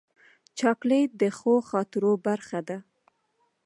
چاکلېټ د ښو خاطرو برخه ده.